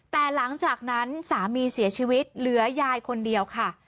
แต่หลังจากนั้นสามีเสียชีวิตเหลือยายคนเดียวค่ะ